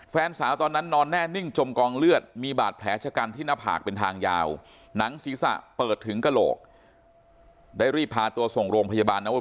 แฟนสาวตอนนั้นนอนแน่นิ่งจมกองเลือดมีบาดแผลชะกันที่หน้าผากเป็นทางยาวหนังศีรษะเปิดถึงกระโหลกได้รีบพาตัวส่งโรงพยาบาลนะว่า